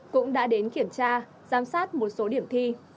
cũng đã đến kiểm tra giám sát một số điểm thi